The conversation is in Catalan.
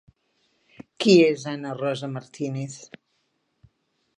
Qui és Anna Rosa Martínez?